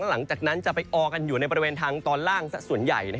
หลังจากนั้นจะไปออกันอยู่ในบริเวณทางตอนล่างสักส่วนใหญ่